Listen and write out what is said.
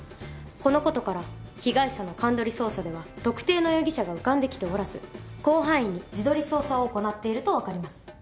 このことから被害者の鑑取り捜査では特定の容疑者が浮かんできておらず広範囲に地取り捜査を行なっているとわかります。